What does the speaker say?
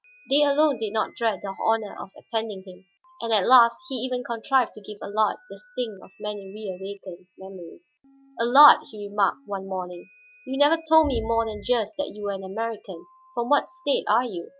They alone did not dread the honor of attending him. And at last he even contrived to give Allard the sting of many rewakened memories. "Allard," he remarked one morning, "you never told me more than just that you were an American. From what state are you?"